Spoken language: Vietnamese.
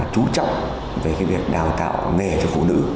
chú trọng về việc đào tạo nghề cho phụ nữ